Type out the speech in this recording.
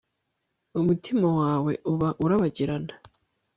Umutima wawe uba urabagirana